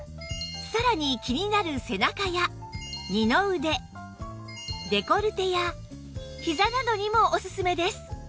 さらに気になる背中や二の腕デコルテやひざなどにもオススメです